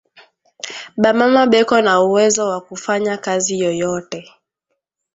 Ba mama beko na uwezo wa kufanya kazi yoyote